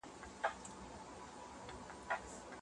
که ښه ولیکي نو اخلاق ښه کېږي.